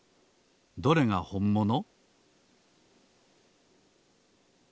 どれがほんもの？